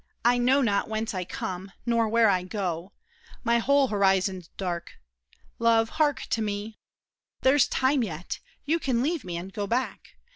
I know not whence I come, nor where I go. My whole horizon's dark. Love, hark to me! There's time yet; you can leave me and go back.